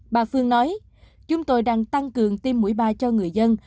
bà phương nói chúng tôi đang tăng cường tiêm mũi ba cho người dân